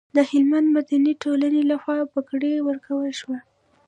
د هلمند مدني ټولنې لخوا بګړۍ ورکول شوه.